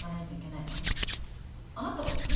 あなたは行く？